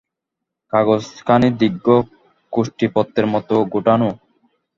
কাগজখানি দীর্ঘ, কোষ্ঠীপত্রের মতো গুটানো।